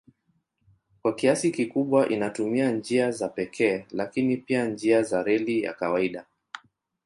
Kwa kiasi kikubwa inatumia njia za pekee lakini pia njia za reli ya kawaida.